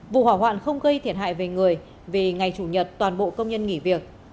vụ hỏa hoạn không gây thiệt hại về người vì ngày chủ nhật toàn bộ công nhân nghỉ việc